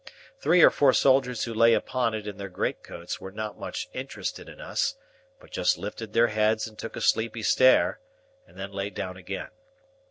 Three or four soldiers who lay upon it in their great coats were not much interested in us, but just lifted their heads and took a sleepy stare, and then lay down again.